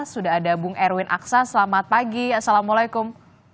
sudah ada bung erwin aksa selamat pagi assalamualaikum